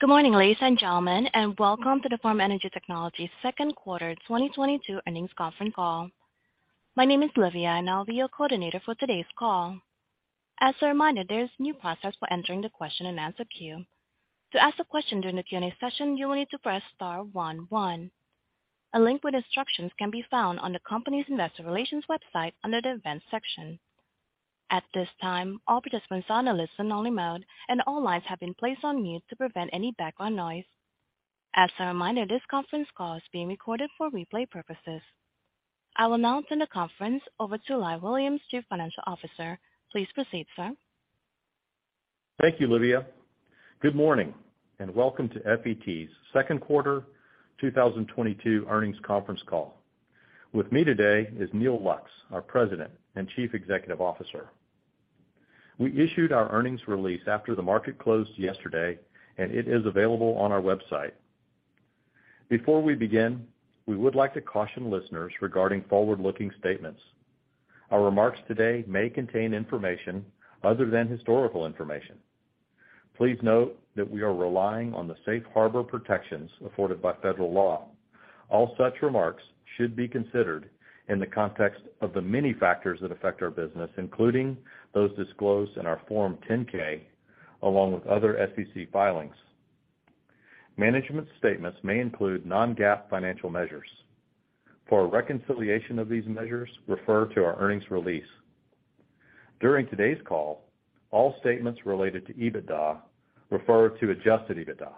Good morning, ladies and gentlemen, and welcome to the Forum Energy Technologies second quarter 2022 earnings conference call. My name is Livia and I'll be your coordinator for today's call. As a reminder, there's a new process for entering the question-and-answer queue. To ask a question during the Q&A session, you will need to press star one one. A link with instructions can be found on the company's investor relations website under the events section. At this time, all participants are on a listen-only mode and all lines have been placed on mute to prevent any background noise. As a reminder, this conference call is being recorded for replay purposes. I will now turn the conference over to Lyle Williams, Chief Financial Officer. Please proceed, sir. Thank you, Livia. Good morning, and welcome to FET's second quarter 2022 earnings conference call. With me today is Neal Lux, our President and Chief Executive Officer. We issued our earnings release after the market closed yesterday, and it is available on our website. Before we begin, we would like to caution listeners regarding forward-looking statements. Our remarks today may contain information other than historical information. Please note that we are relying on the safe harbor protections afforded by federal law. All such remarks should be considered in the context of the many factors that affect our business, including those disclosed in our Form 10-K along with other SEC filings. Management statements may include non-GAAP financial measures. For a reconciliation of these measures, refer to our earnings release. During today's call, all statements related to EBITDA refer to adjusted EBITDA.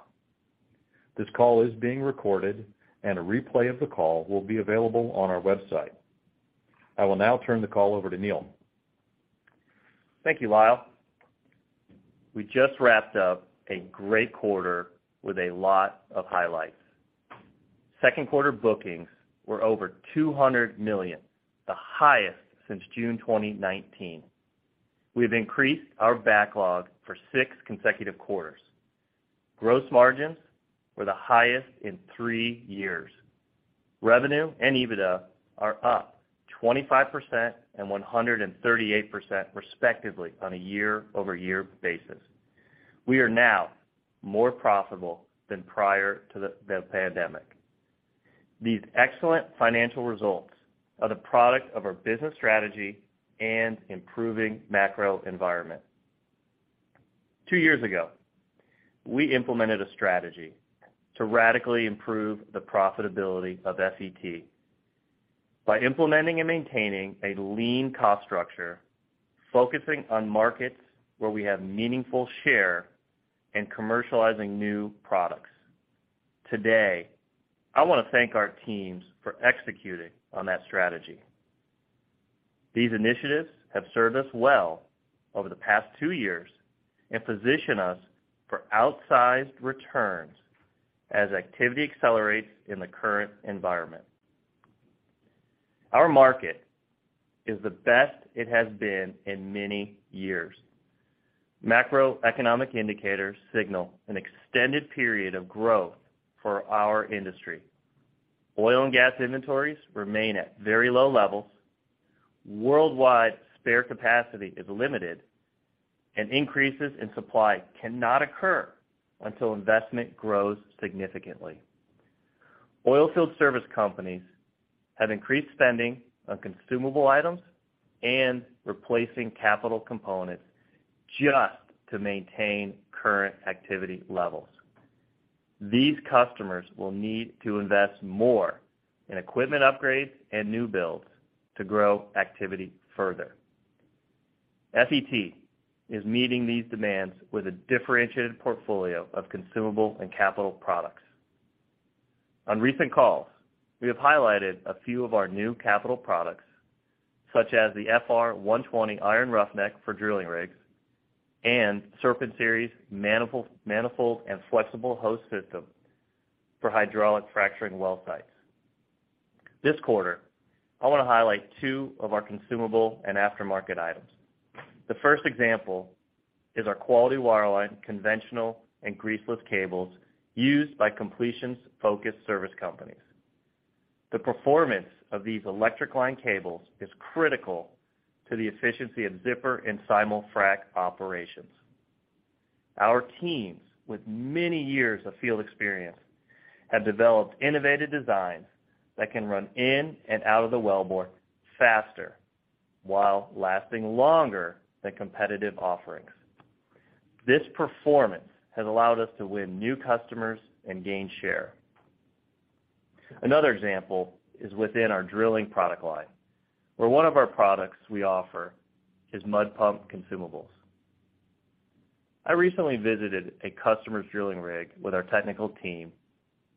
This call is being recorded, and a replay of the call will be available on our website. I will now turn the call over to Neal. Thank you, Lyle. We just wrapped up a great quarter with a lot of highlights. Second quarter bookings were over $200 million, the highest since June 2019. We've increased our backlog for six consecutive quarters. Gross margins were the highest in three years. Revenue and EBITDA are up 25% and 138% respectively on a year-over-year basis. We are now more profitable than prior to the pandemic. These excellent financial results are the product of our business strategy and improving macro environment. Two years ago, we implemented a strategy to radically improve the profitability of FET by implementing and maintaining a lean cost structure, focusing on markets where we have meaningful share, and commercializing new products. Today, I wanna thank our teams for executing on that strategy. These initiatives have served us well over the past two years and position us for outsized returns as activity accelerates in the current environment. Our market is the best it has been in many years. Macroeconomic indicators signal an extended period of growth for our industry. Oil and gas inventories remain at very low levels. Worldwide spare capacity is limited and increases in supply cannot occur until investment grows significantly. Oil field service companies have increased spending on consumable items and replacing capital components just to maintain current activity levels. These customers will need to invest more in equipment upgrades and new builds to grow activity further. FET is meeting these demands with a differentiated portfolio of consumable and capital products. On recent calls, we have highlighted a few of our new capital products, such as the FR-120 Iron Roughneck for drilling rigs and Serpent Series manifold and flexible hose system for hydraulic fracturing well sites. This quarter, I wanna highlight two of our consumable and aftermarket items. The first example is our Quality Wireline conventional and greaseless cables used by completions-focused service companies. The performance of these electric line cables is critical to the efficiency of zipper frac and simul-frac operations. Our teams with many years of field experience have developed innovative designs that can run in and out of the wellbore faster while lasting longer than competitive offerings. This performance has allowed us to win new customers and gain share. Another example is within our drilling product line, where one of our products we offer is mud pump consumables. I recently visited a customer's drilling rig with our technical team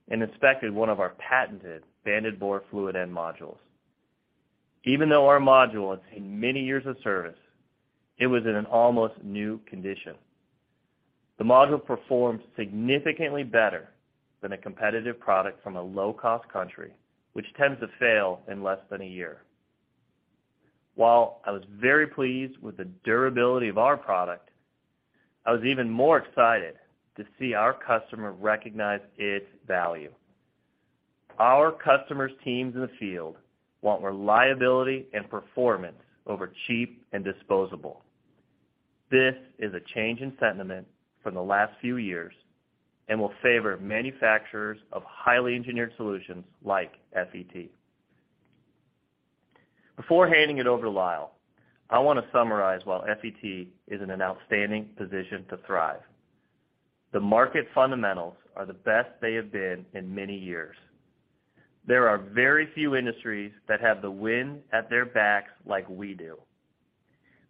and inspected one of our patented banded bore fluid end modules. Even though our module has seen many years of service, it was in an almost new condition. The module performed significantly better than a competitive product from a low-cost country, which tends to fail in less than a year. While I was very pleased with the durability of our product, I was even more excited to see our customer recognize its value. Our customers' teams in the field want reliability and performance over cheap and disposable. This is a change in sentiment from the last few years and will favor manufacturers of highly engineered solutions like FET. Before handing it over to Lyle, I wanna summarize why FET is in an outstanding position to thrive. The market fundamentals are the best they have been in many years. There are very few industries that have the wind at their backs like we do.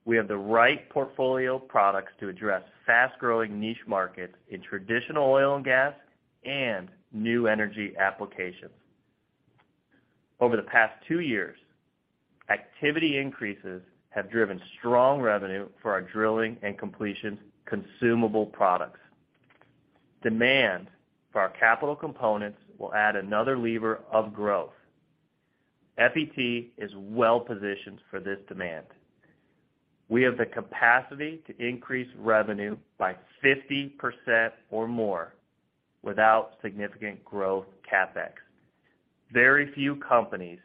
We have the right portfolio of products to address fast-growing niche markets in traditional oil and gas and new energy applications. Over the past two years, activity increases have driven strong revenue for our drilling and completions consumable products. Demand for our capital components will add another lever of growth. FET is well-positioned for this demand. We have the capacity to increase revenue by 50% or more without significant growth CapEx. Very few companies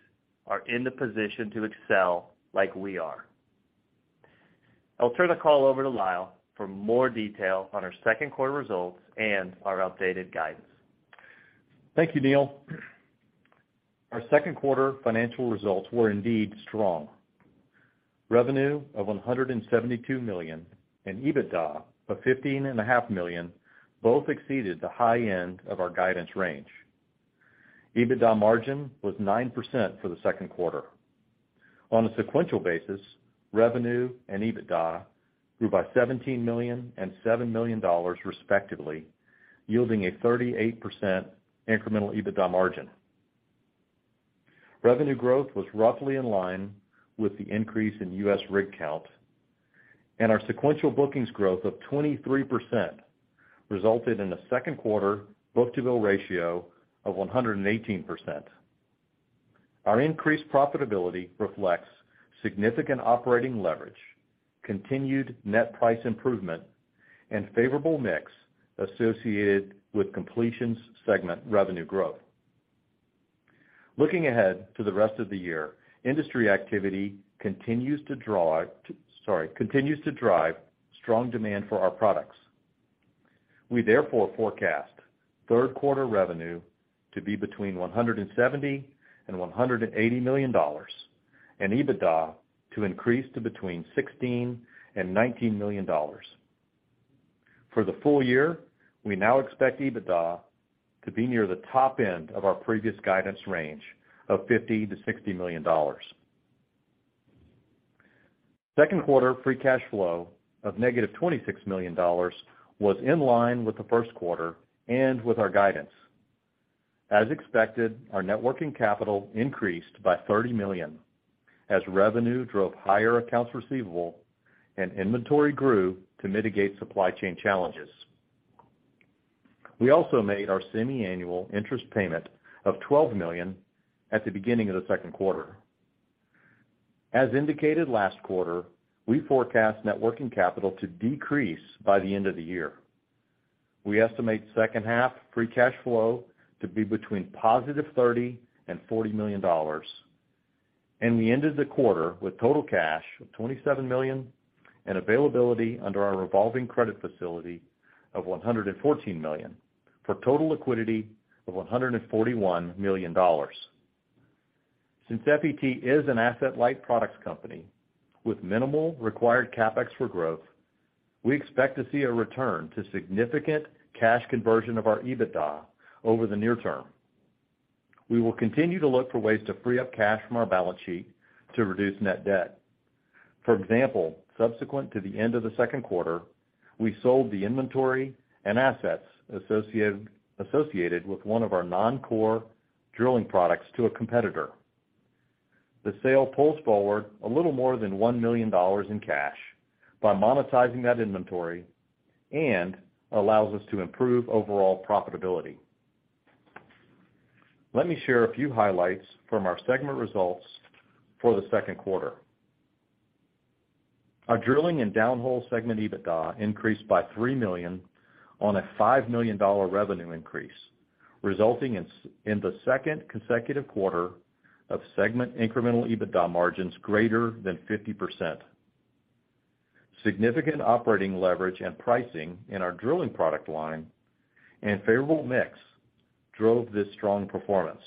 are in the position to excel like we are. I'll turn the call over to Lyle for more detail on our second quarter results and our updated guidance. Thank you, Neal. Our second quarter financial results were indeed strong. Revenue of $172 million and EBITDA of $15.5 million Both exceeded the high end of our guidance range. EBITDA margin was 9% for the second quarter. On a sequential basis, revenue and EBITDA grew by $17 million and $7 million dollars respectively, yielding a 38% incremental EBITDA margin. Revenue growth was roughly in line with the increase in U.S. rig count, and our sequential bookings growth of 23% resulted in a second quarter book-to-bill ratio of 118%. Our increased profitability reflects significant operating leverage, continued net price improvement, and favorable mix associated with completions segment revenue growth. Looking ahead to the rest of the year, industry activity continues to drive strong demand for our products. We therefore forecast third quarter revenue to be between $170 million and $180 million, and EBITDA to increase to between $16 million and $19 million. For the full year, we now expect EBITDA to be near the top end of our previous guidance range of $50 million-$60 million. Second quarter free cash flow of -$26 million was in line with the first quarter and with our guidance. As expected, our net working capital increased by $30 million as revenue drove higher accounts receivable and inventory grew to mitigate supply chain challenges. We also made our semiannual interest payment of $12 million at the beginning of the second quarter. As indicated last quarter, we forecast net working capital to decrease by the end of the year. We estimate second half free cash flow to be between +$30 million and $40 million, and we ended the quarter with total cash of $27 million and availability under our revolving credit facility of $114 million, for total liquidity of $141 million. Since FET is an asset-light products company with minimal required CapEx for growth, we expect to see a return to significant cash conversion of our EBITDA over the near term. We will continue to look for ways to free up cash from our balance sheet to reduce net debt. For example, subsequent to the end of the second quarter, we sold the inventory and assets associated with one of our non-core drilling products to a competitor. The sale pulls forward a little more than $1 million in cash by monetizing that inventory and allows us to improve overall profitability. Let me share a few highlights from our segment results for the second quarter. Our drilling and downhole segment EBITDA increased by $3 million on a $5 million revenue increase, resulting in the second consecutive quarter of segment incremental EBITDA margins greater than 50%. Significant operating leverage and pricing in our drilling product line and favorable mix drove this strong performance.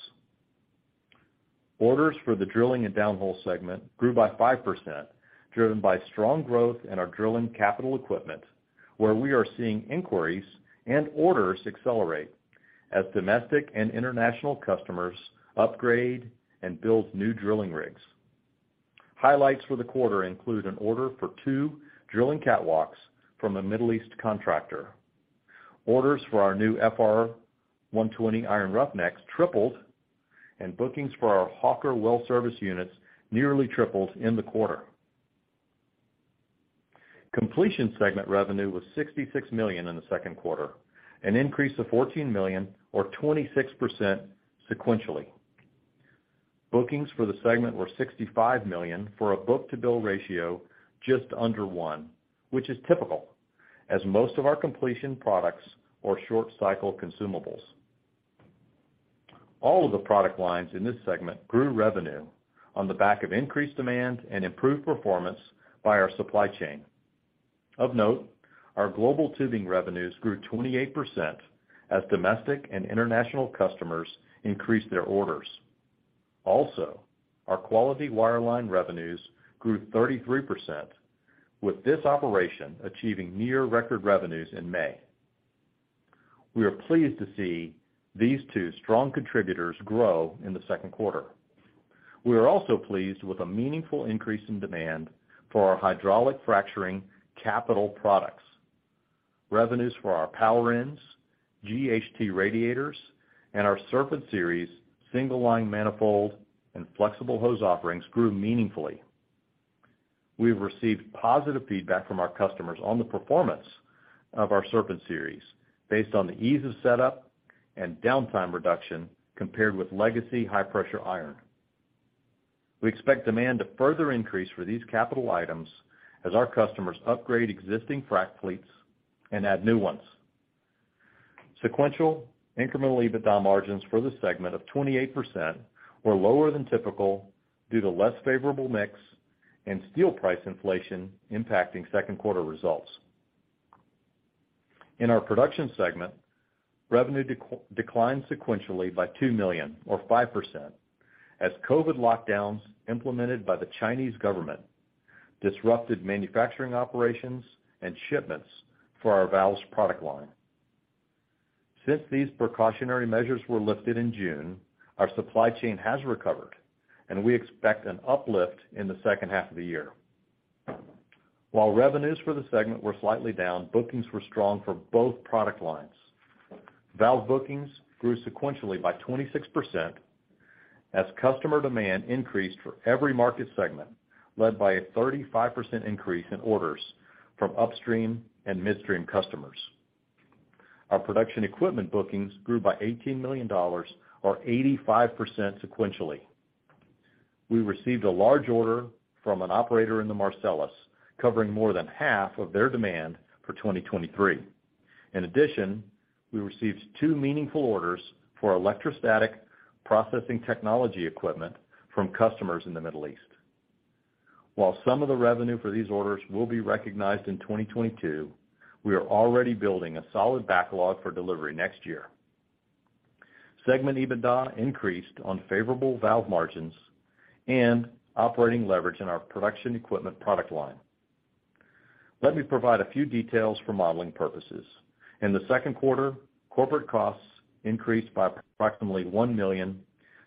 Orders for the drilling and downhole segment grew by 5%, driven by strong growth in our drilling capital equipment, where we are seeing inquiries and orders accelerate as domestic and international customers upgrade and build new drilling rigs. Highlights for the quarter include an order for two drilling catwalks from a Middle East contractor. Orders for our new FR-120 Iron Roughnecks tripled, and bookings for our Hawker well service units nearly tripled in the quarter. Completion segment revenue was $66 million in the second quarter, an increase of $14 million or 26% sequentially. Bookings for the segment were $65 million for a book-to-bill ratio just under one, which is typical as most of our completion products are short cycle consumables. All of the product lines in this segment grew revenue on the back of increased demand and improved performance by our supply chain. Of note, our Global Tubing revenues grew 28% as domestic and international customers increased their orders. Also, our Quality Wireline revenues grew 33%, with this operation achieving near record revenues in May. We are pleased to see these two strong contributors grow in the second quarter. We are also pleased with a meaningful increase in demand for our hydraulic fracturing capital products. Revenues for our Power Ends, GHT Radiators and our Serpent Series, single line manifold and flexible hose offerings grew meaningfully. We've received positive feedback from our customers on the performance of our Serpent Series based on the ease of setup and downtime reduction compared with legacy high pressure iron. We expect demand to further increase for these capital items as our customers upgrade existing frac fleets and add new ones. Sequential incremental EBITDA margins for the segment of 28% were lower than typical due to less favorable mix and steel price inflation impacting second quarter results. In our production segment, revenue declined sequentially by $2 million or 5% as COVID lockdowns implemented by the Chinese government disrupted manufacturing operations and shipments for our valves product line. Since these precautionary measures were lifted in June, our supply chain has recovered and we expect an uplift in the second half of the year. While revenues for the segment were slightly down, bookings were strong for both product lines. Valve bookings grew sequentially by 26% as customer demand increased for every market segment, led by a 35% increase in orders from upstream and midstream customers. Our production equipment bookings grew by $18 million or 85% sequentially. We received a large order from an operator in the Marcellus, covering more than half of their demand for 2023. In addition, we received two meaningful orders for electrostatic processing technology equipment from customers in the Middle East. While some of the revenue for these orders will be recognized in 2022, we are already building a solid backlog for delivery next year. Segment EBITDA increased on favorable valve margins and operating leverage in our production equipment product line. Let me provide a few details for modeling purposes. In the second quarter, corporate costs increased by approximately $1 million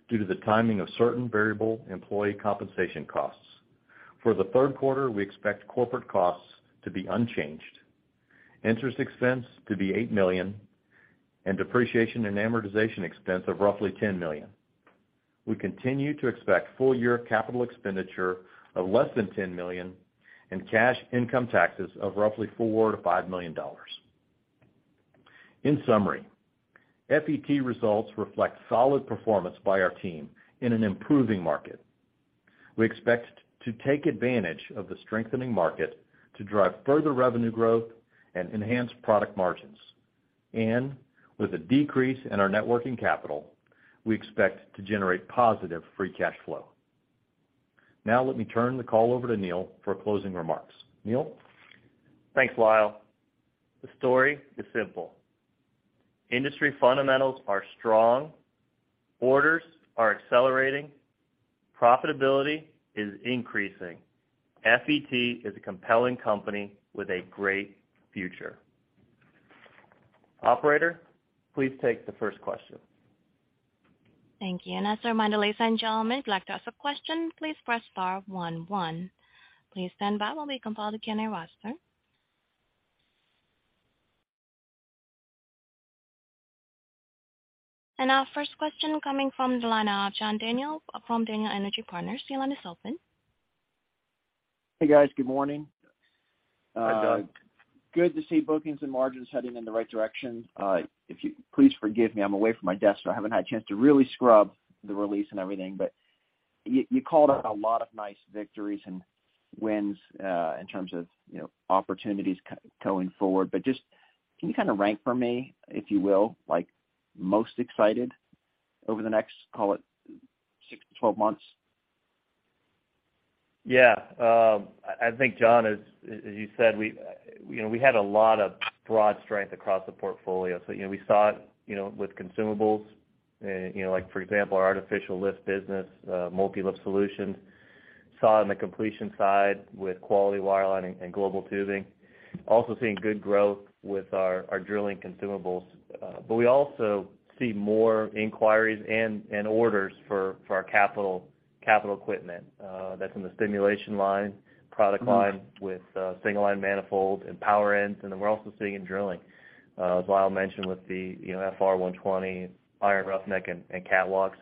due to the timing of certain variable employee compensation costs. For the third quarter, we expect corporate costs to be unchanged, interest expense to be $8 million and depreciation and amortization expense of roughly $10 million. We continue to expect full year capital expenditure of less than $10 million and cash income taxes of roughly $4 million-$5 million. In summary, FET results reflect solid performance by our team in an improving market. We expect to take advantage of the strengthening market to drive further revenue growth and enhance product margins. With a decrease in our net working capital, we expect to generate positive free cash flow. Now let me turn the call over to Neal for closing remarks. Neal? Thanks, Lyle. The story is simple. Industry fundamentals are strong. Orders are accelerating. Profitability is increasing. FET is a compelling company with a great future. Operator, please take the first question. Thank you. As a reminder, ladies and gentlemen, if you would like to ask a question, please press star one one. Please stand by while we compile the Q&A roster. Our first question coming from the line of John Daniel from Daniel Energy Partners. Your line is open. Hey, guys. Good morning. Hi, John. Good to see bookings and margins heading in the right direction. If you please forgive me, I'm away from my desk, so I haven't had a chance to really scrub the release and everything. You called out a lot of nice victories and wins, in terms of, you know, opportunities going forward. Just can you kind of rank for me, if you will, like most excited over the next, call it six-12 months? Yeah. I think, John, as you said, you know, we had a lot of broad strength across the portfolio. You know, we saw it, you know, with consumables, you know, like for example, our artificial lift business, Multi-Lift Solutions. Saw it in the completion side with Quality Wireline and Global Tubing. Also seeing good growth with our drilling consumables. But we also see more inquiries and orders for our capital equipment that's in the stimulation line, product line with single line manifold and Power Ends. Then we're also seeing in drilling, as Lyle mentioned, with the FR-120 Iron Roughneck and catwalks.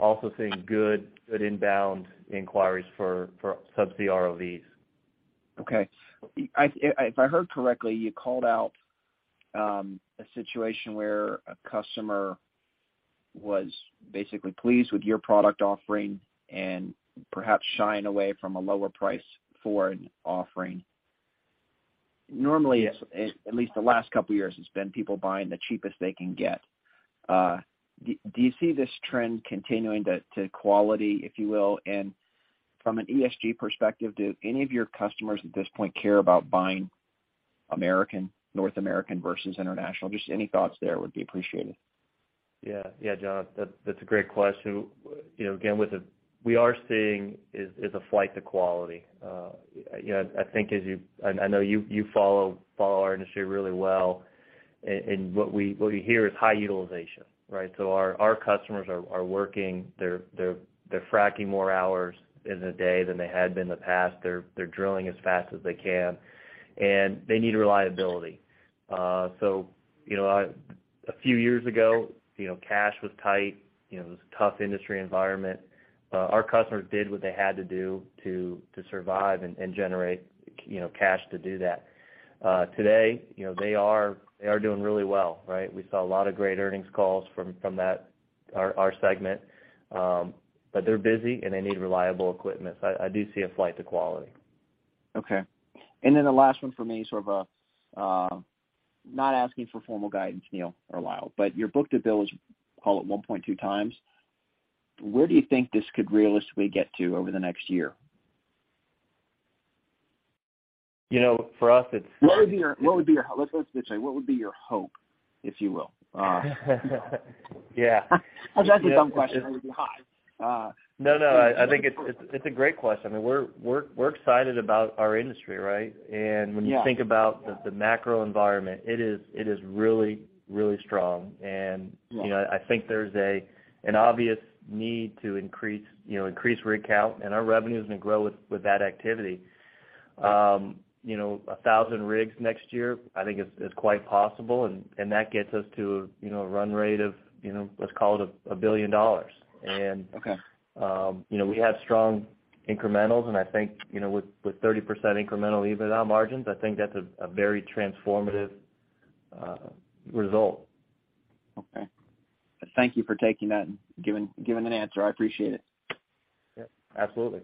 Also seeing good inbound inquiries for subsea ROVs. Okay. If I heard correctly, you called out a situation where a customer was basically pleased with your product offering and perhaps shying away from a lower price for an offering. Normally, at least the last couple of years, it's been people buying the cheapest they can get. Do you see this trend continuing to quality, if you will? And from an ESG perspective, do any of your customers at this point care about buying American, North American versus international? Just any thoughts there would be appreciated. Yeah. Yeah, John, that's a great question. You know, again, we are seeing a flight to quality. You know, I think I know you follow our industry really well. What we hear is high utilization, right? So our customers are working. They're fracking more hours in the day than they had been in the past. They're drilling as fast as they can, and they need reliability. You know, a few years ago, you know, cash was tight. You know, it was a tough industry environment. Our customers did what they had to do to survive and generate, you know, cash to do that. Today, you know, they are doing really well, right? We saw a lot of great earnings calls from that our segment. They're busy, and they need reliable equipment. I do see a flight to quality. Okay. The last one for me, sort of a, not asking for formal guidance, Neal or Lyle, but your book-to-bill is, call it 1.2x. Where do you think this could realistically get to over the next year? You know, for us, it's. Let's just say, what would be your hope, if you will? Yeah. That's a dumb question. It would be high. No, no. I think it's a great question. I mean, we're excited about our industry, right? Yeah. When you think about the macro environment, it is really strong. You know, I think there's an obvious need to increase rig count, and our revenue is gonna grow with that activity. You know, 1,000 rigs next year, I think is quite possible, and that gets us to a run rate of, you know, let's call it $1 billion. Okay. You know, we have strong incrementals, and I think, you know, with 30% incremental EBITDA margins, I think that's a very transformative result. Okay. Thank you for taking that and giving an answer. I appreciate it. Yep, absolutely.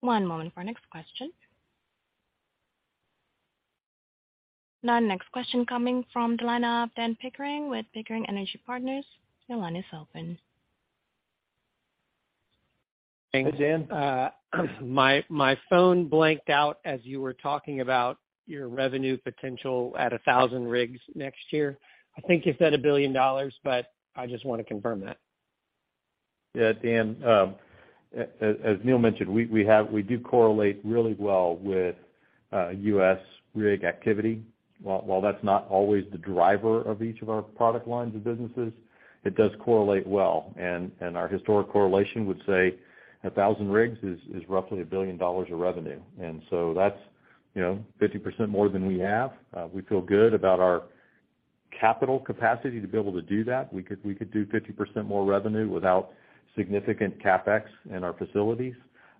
One moment for our next question. Our next question coming from the line of Dan Pickering with Pickering Energy Partners. Your line is open. Thanks. Hey, Dan. My phone blanked out as you were talking about your revenue potential at 1,000 rigs next year. I think you said $1 billion, but I just wanna confirm that. Yeah, Dan. As Neal mentioned, we do correlate really well with U.S. rig activity. While that's not always the driver of each of our product lines and businesses, it does correlate well. Our historic correlation would say 1,000 rigs is roughly $1 billion of revenue. That's, you know, 50% more than we have. We feel good about our capital capacity to be able to do that. We could do 50% more revenue without significant CapEx in our facilities,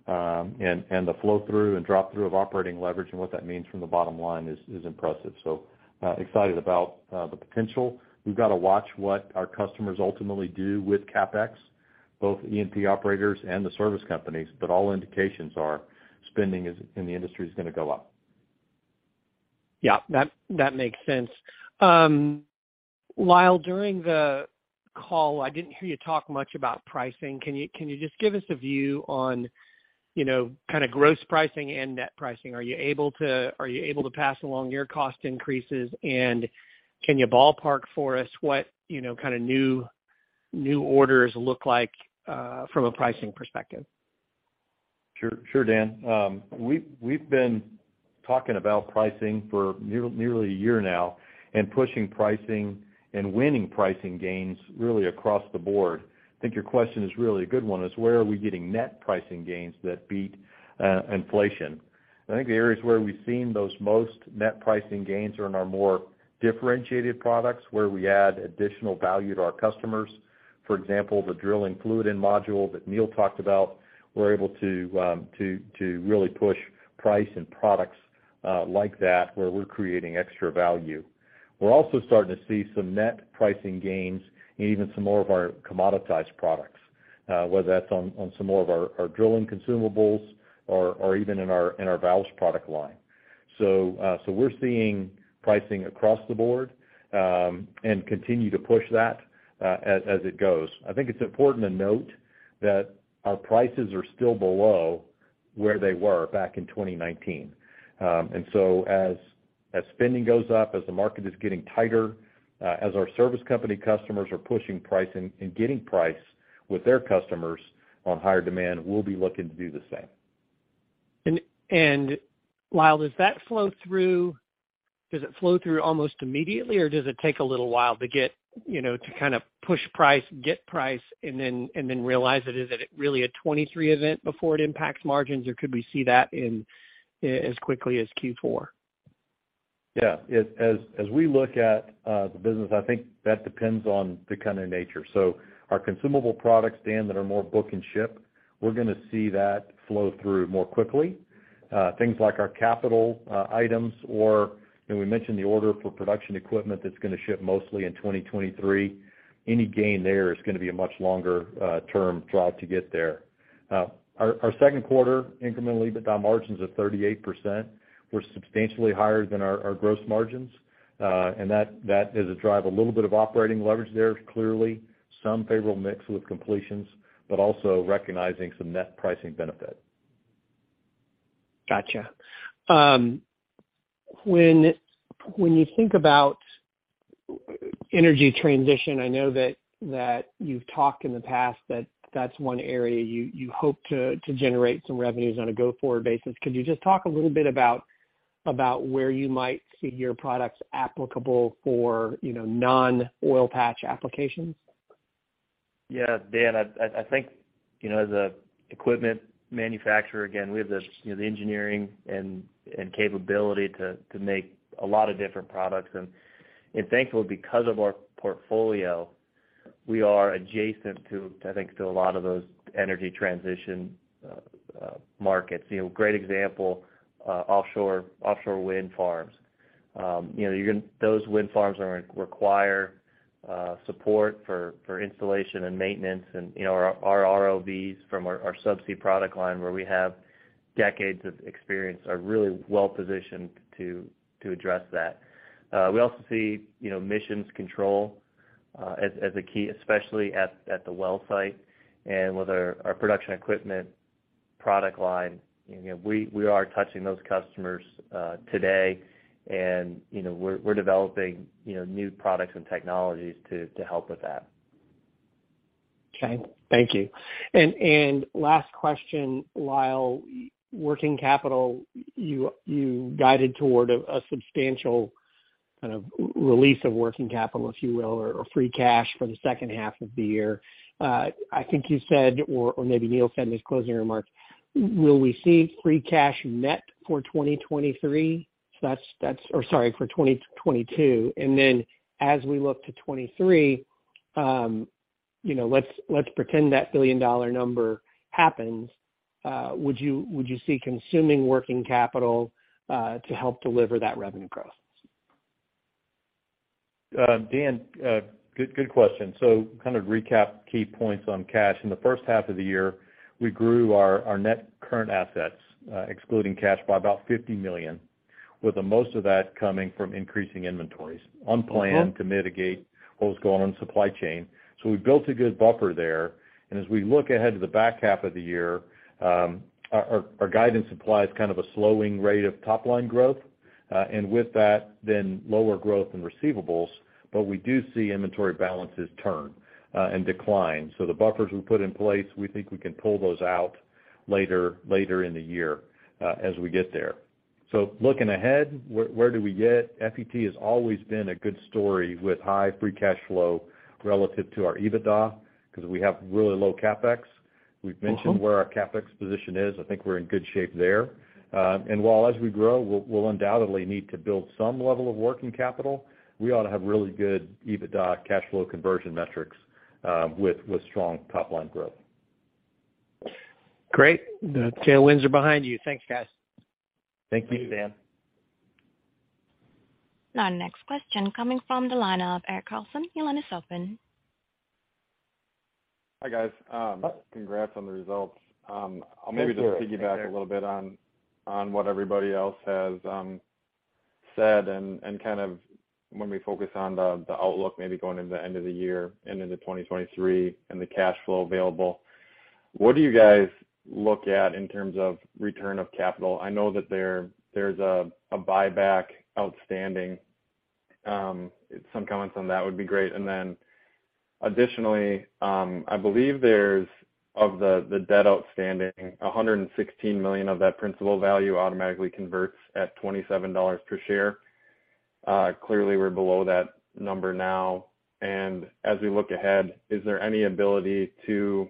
and the flow-through and drop-through of operating leverage and what that means from the bottom line is impressive. Excited about the potential. We've got to watch what our customers ultimately do with CapEx, both E&P operators and the service companies, but all indications are spending in the industry is gonna go up. Yeah, that makes sense. Lyle, during the call, I didn't hear you talk much about pricing. Can you just give us a view on, you know, kinda gross pricing and net pricing? Are you able to pass along your cost increases? Can you ballpark for us what, you know, kinda new orders look like from a pricing perspective? Sure. Sure, Dan. We've been talking about pricing for nearly a year now and pushing pricing and winning pricing gains really across the board. I think your question is really a good one. It's where are we getting net pricing gains that beat inflation. I think the areas where we've seen those most net pricing gains are in our more differentiated products, where we add additional value to our customers. For example, the drilling fluid end module that Neil talked about, we're able to to really push price and products like that, where we're creating extra value. We're also starting to see some net pricing gains in even some more of our commoditized products, whether that's on some more of our drilling consumables or even in our valves product line. We're seeing pricing across the board and continue to push that as it goes. I think it's important to note that our prices are still below where they were back in 2019. As spending goes up, as the market is getting tighter, as our service company customers are pushing pricing and getting price with their customers on higher demand, we'll be looking to do the same. Lyle, does that flow through almost immediately, or does it take a little while to get, you know, to kinda push price, get price, and then realize it? Is it really a 2023 event before it impacts margins, or could we see that in as quickly as Q4? Yeah. As we look at the business, I think that depends on the kind of nature. Our consumable products, Dan, that are more book and ship, we're gonna see that flow through more quickly. Things like our capital items or, you know, we mentioned the order for production equipment that's gonna ship mostly in 2023, any gain there is gonna be a much longer term drive to get there. Our second quarter incrementally, but our margins of 38% were substantially higher than our gross margins. And that is a drive. A little bit of operating leverage there is clearly some favorable mix with completions, but also recognizing some net pricing benefit. Gotcha. When you think about energy transition, I know that you've talked in the past that that's one area you hope to generate some revenues on a go-forward basis. Could you just talk a little bit about where you might see your products applicable for, you know, non-oil patch applications? Yeah. Dan, I think, you know, as an equipment manufacturer, again, we have the engineering and capability to make a lot of different products. Thankfully, because of our portfolio, we are adjacent to, I think, a lot of those energy transition markets. You know, great example, offshore wind farms. Those wind farms require support for installation and maintenance. You know, our ROVs from our subsea product line, where we have decades of experience, are really well positioned to address that. We also see, you know, emissions control as a key, especially at the well site. With our production equipment product line, you know, we are touching those customers today. You know, we're developing, you know, new products and technologies to help with that. Okay. Thank you. Last question, Lyle. Working capital, you guided toward a substantial kind of release of working capital, if you will, or free cash for the second half of the year. I think you said, or maybe Neal said in his closing remarks, will we see free cash net for 2023? So that's, or sorry, for 2022. Then as we look to 2023, you know, let's pretend that billion-dollar number happens, would you see consuming working capital to help deliver that revenue growth? Dan, good question. Kind of recap key points on cash. In the first half of the year, we grew our net current assets, excluding cash, by about $50 million, with the most of that coming from increasing inventories. Unplanned to mitigate what was going on in supply chain. We built a good buffer there. As we look ahead to the back half of the year, our guidance implies kind of a slowing rate of top line growth. With that, lower growth in receivables, but we do see inventory balances turn and decline. The buffers we put in place, we think we can pull those out later in the year, as we get there. Looking ahead, where do we get? FET has always been a good story with high free cash flow relative to our EBITDA, 'cause we have really low CapEx. We've mentioned where our CapEx position is. I think we're in good shape there. While as we grow, we'll undoubtedly need to build some level of working capital, we ought to have really good EBITDA cash flow conversion metrics, with strong top-line growth. Great. The tailwinds are behind you. Thanks, guys. Thank you, Dan. Our next question coming from the line of Eric Carlson. Your line is open. Hi, guys. Hi. Congrats on the results. Thank you, Eric. I'll maybe just piggyback a little bit on what everybody else has said and kind of when we focus on the outlook maybe going into the end of the year, into 2023, and the cash flow available. What do you guys look at in terms of return of capital? I know that there's a buyback outstanding. Some comments on that would be great. Then additionally, I believe there's of the debt outstanding, $116 million of that principal value automatically converts at $27 per share. Clearly we're below that number now. As we look ahead, is there any ability to,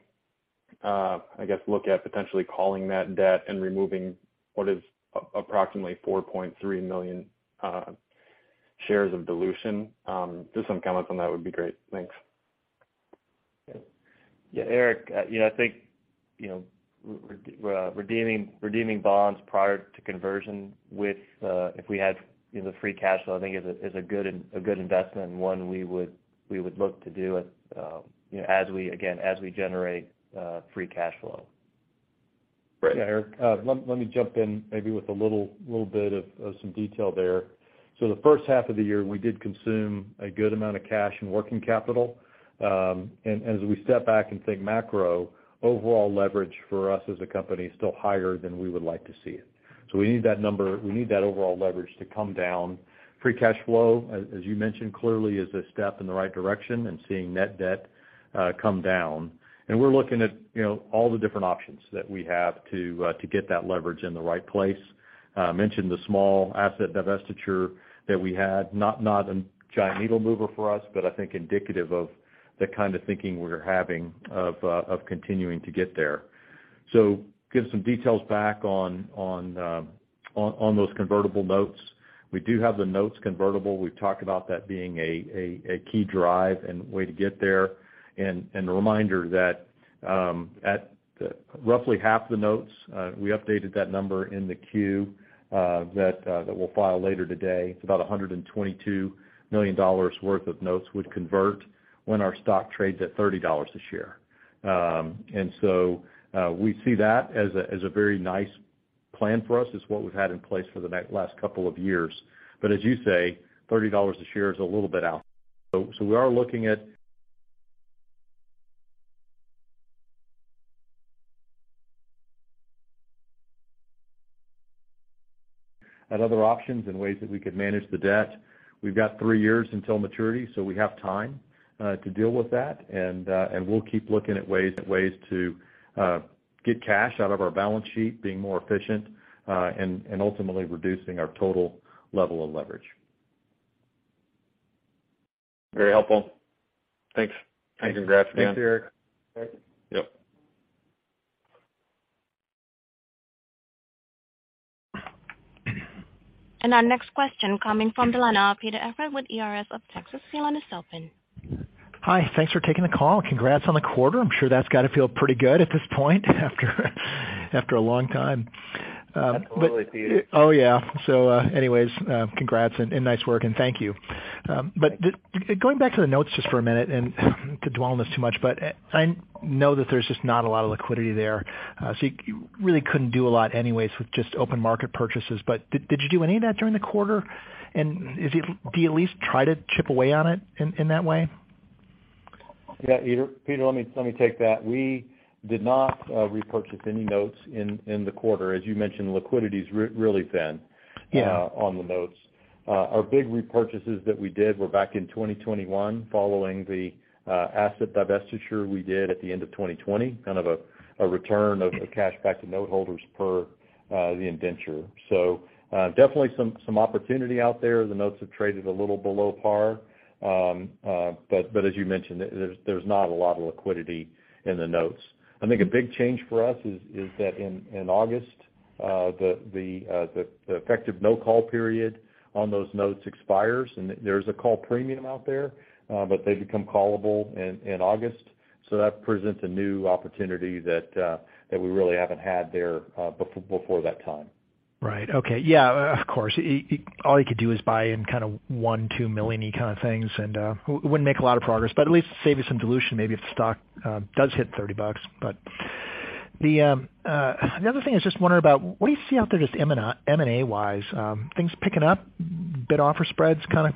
I guess, look at potentially calling that debt and removing what is approximately 4.3 million shares of dilution? Just some comments on that would be great. Thanks. Yeah. Yeah, Eric, you know, I think, you know, redeeming bonds prior to conversion with, if we had, you know, the free cash flow, I think is a good investment and one we would look to do at, you know, as we, again, as we generate free cash flow. Great. Yeah, Eric, let me jump in maybe with a little bit of some detail there. The first half of the year, we did consume a good amount of cash in working capital. As we step back and think macro, overall leverage for us as a company is still higher than we would like to see it. We need that number, we need that overall leverage to come down. Free cash flow, as you mentioned, clearly is a step in the right direction and seeing net debt come down. We're looking at, you know, all the different options that we have to get that leverage in the right place. Mentioned the small asset divestiture that we had, not a giant needle mover for us, but I think indicative of the kind of thinking we're having of continuing to get there. Give some details back on those convertible notes. We do have the notes convertible. We've talked about that being a key drive and way to get there. A reminder that at roughly half the notes, we updated that number in the Q that we'll file later today. It's about $122 million worth of notes would convert when our stock trades at $30 a share. We see that as a very nice plan for us. It's what we've had in place for the last couple of years. As you say, $30 a share is a little bit out. We are looking at other options and ways that we could manage the debt. We've got three years until maturity, so we have time to deal with that. We'll keep looking at ways to get cash out of our balance sheet, being more efficient, and ultimately reducing our total level of leverage. Very helpful. Thanks. Thanks. Congrats again. Thanks, Eric. Yep. Our next question coming from Delana, Peter Ehret with ERS of Texas. Your line is open. Hi. Thanks for taking the call. Congrats on the quarter. I'm sure that's gotta feel pretty good at this point after a long time. Absolutely, Peter. Oh, yeah. Anyways, congrats and nice work, and thank you. Going back to the notes just for a minute and to dwell on this too much, but I know that there's just not a lot of liquidity there. You really couldn't do a lot anyways with just open market purchases, but did you do any of that during the quarter? Do you at least try to chip away on it in that way? Yeah, Peter, let me take that. We did not repurchase any notes in the quarter. As you mentioned, liquidity's really thin. Yeah. On the notes. Our big repurchases that we did were back in 2021 following the asset divestiture we did at the end of 2020, kind of a return of cash back to note holders per the indenture. Definitely some opportunity out there. The notes have traded a little below par. As you mentioned, there's not a lot of liquidity in the notes. I think a big change for us is that in August the effective no call period on those notes expires, and there's a call premium out there, but they become callable in August. That presents a new opportunity that we really haven't had there before that time. Right. Okay. Yeah, of course. All you could do is buy in kinda $1 million-$2 million kind of things, and wouldn't make a lot of progress, but at least save you some dilution, maybe if the stock does hit $30. Another thing I was just wondering about, what do you see out there just M&A-wise? Things picking up? Bid offer spreads kinda.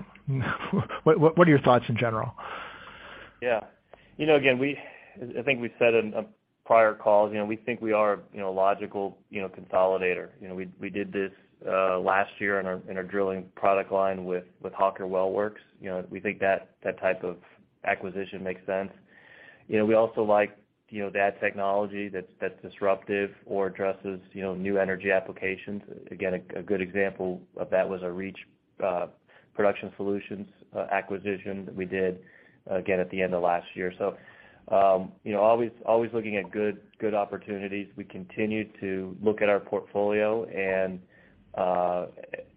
What are your thoughts in general? Yeah. You know, again, I think we said in prior calls, you know, we think we are, you know, logical, you know, consolidator. You know, we did this last year in our drilling product line with Hawker Well Works. You know, we think that type of acquisition makes sense. You know, we also like, you know, that technology that's disruptive or addresses, you know, new energy applications. Again, a good example of that was a Reach Production Solutions acquisition that we did, again, at the end of last year. You know, always looking at good opportunities. We continue to look at our portfolio and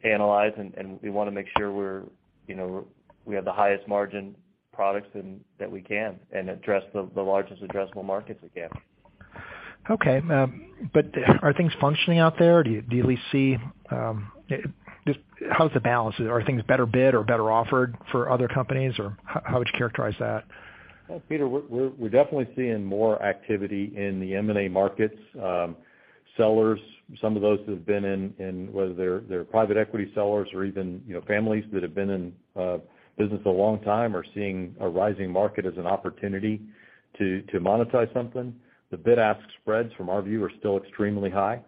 analyze and we wanna make sure we're, you know, we have the highest margin products that we can and address the largest addressable markets we can. Okay. Are things functioning out there? Do you at least see just how's the balance? Are things better bid or better offered for other companies? Or how would you characterize that? Well, Peter, we're definitely seeing more activity in the M&A markets. Sellers, some of those who have been in whether they're private equity sellers or even, you know, families that have been in business a long time, are seeing a rising market as an opportunity to monetize something. The bid-ask spreads from our view are still extremely high.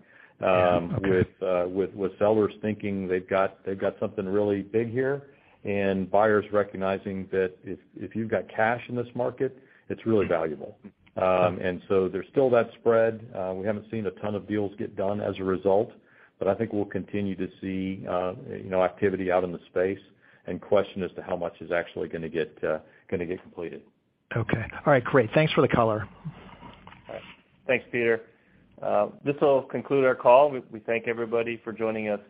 Yeah. Okay With sellers thinking they've got something really big here, and buyers recognizing that if you've got cash in this market, it's really valuable. There's still that spread. We haven't seen a ton of deals get done as a result, but I think we'll continue to see, you know, activity out in the space and question as to how much is actually gonna get completed. Okay. All right. Great. Thanks for the color. All right. Thanks, Peter. This will conclude our call. We thank everybody for joining us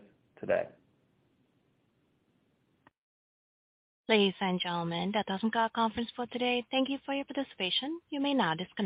today. Ladies and gentlemen, that does end our conference for today. Thank you for your participation. You may now disconnect.